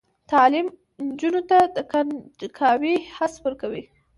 تعلیم نجونو ته د کنجکاوۍ حس ورکوي.